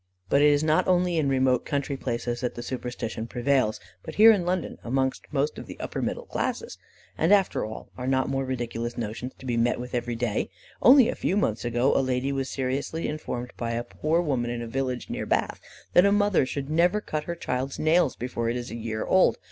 But it is not only in remote country places that the superstition prevails, but here in London, among most of the upper middle classes. And after all, are not more ridiculous notions to be met with every day? Only a few months ago, a lady was seriously informed by a poor woman in a village near Bath, that a mother should never cut her child's nails before it is a year old.